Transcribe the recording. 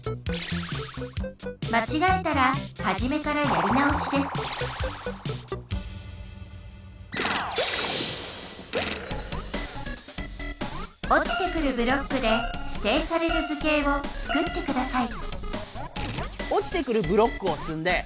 まちがえたらはじめからやり直しです落ちてくるブロックで指定される図形を作ってください